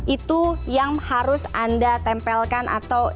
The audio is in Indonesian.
itu yang harus anda tempelkan atau